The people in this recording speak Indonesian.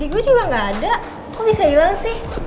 gue juga gak ada kok bisa hilang sih